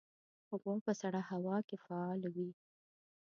غوا په سړه هوا کې فعال وي.